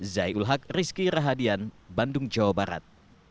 zai ul haq rizky rahadian bandung jawa barat